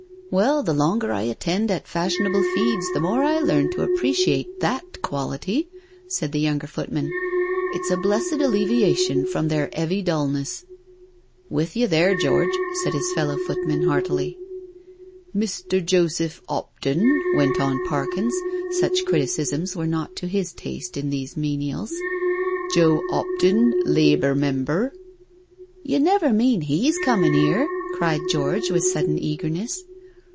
'*" Well, the longer I attend at fashionable feeds the more I learn to appreciate thai quality," said the younger footman, " it's a blessed alleviation from their 'eavy dullness.*' " With you therci George," said his fellow footman heartily. " Mr. Joseph 'Opton," went on Parkins, such criti cisms were not to his taste in these menials. " Joe 'Opton, Labour Member ..." "You never mean he^s comin* 'ere?" cried George, with sudden eagerness.